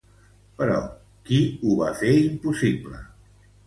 Però, qui ho va fer impossible?